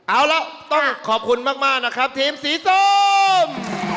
เอาละต้องขอบคุณมากนะครับทีมสีส้ม